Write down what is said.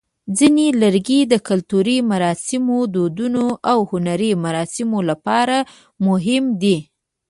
ځینې لرګي د کلتوري مراسمو، دودونو، او هنري مراسمو لپاره مهم دي.